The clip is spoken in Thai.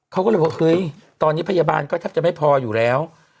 เขาก็เลยบอกเฮ้ยตอนนี้พยาบาลก็แทบจะไม่พออยู่แล้ว